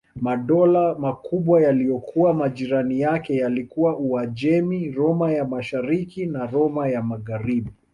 Madola makubwa yaliyokuwa majirani yake yalikuwa Uajemi, Roma ya Mashariki na Roma ya Magharibi.